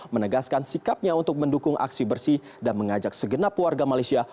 menegaskan sikapnya untuk mendukung aksi bersih dan mengajak segenap warga malaysia